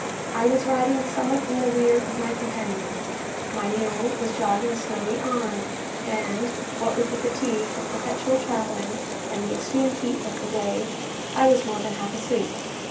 I was riding somewhat in the rear of my companions. My mule was jogging slowly on, and, what with the fatigue of perpetual travelling, and the extreme heat of the day, I was more than half asleep.